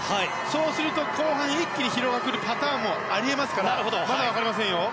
そうすると後半一気に疲労が来るパターンもありますからまだ分かりませんよ。